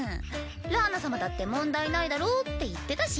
ラーナ様だって問題ないだろうって言ってたし。